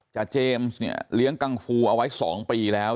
เจเจมส์เนี่ยเลี้ยงกังฟูเอาไว้๒ปีแล้ว